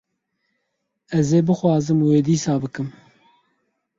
Ez ê bixwazim wê dîsa bikim.